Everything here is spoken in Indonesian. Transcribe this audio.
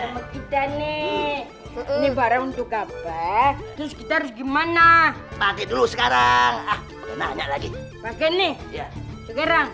pakai pakai pakai pakai pakai pakai pakai pakai pakai dulu sekarang